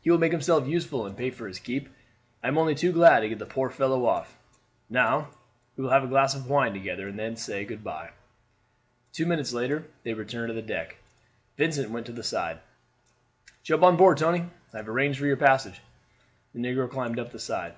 "He will make himself useful and pay for his keep. I am only too glad to get the poor fellow off. Now, we will have a glass of wine together and then say good by." Two minutes later they returned to the deck. Vincent went to the side. "Jump on board, Tony. I have arranged for your passage." The negro climbed up the side.